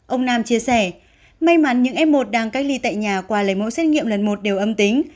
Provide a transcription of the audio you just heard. ông nam chia sẻ may mắn những f một đang cách ly tại nhà qua lấy mẫu xét nghiệm lần một đều âm tính